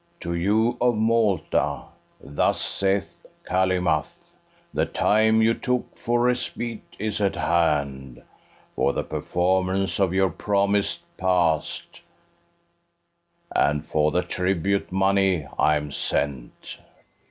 To you of Malta thus saith Calymath: The time you took for respite is at hand For the performance of your promise pass'd; And for the tribute money I am sent.